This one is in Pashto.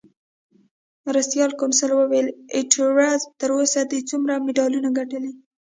مرستیال کونسل وویل: ایټوره، تر اوسه دې څومره مډالونه ګټلي؟